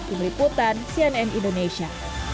imri putan cnn indonesia